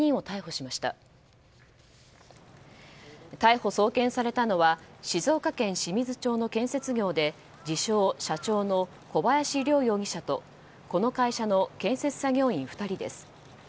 逮捕・送検されたのは静岡県清水町の建設業で自称社長の小林涼容疑者とこの会社の建設作業員２人です。